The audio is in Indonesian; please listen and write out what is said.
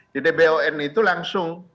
di dbon itu langsung